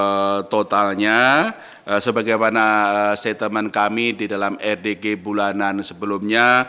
untuk tahun dua ribu dua puluh totalnya sebagaimana statement kami di dalam rdg bulanan sebelumnya